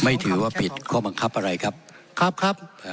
ขอไม่ถือว่าผิดขอบังคับอะไรครับครับครับเอ่อผมเอ่อ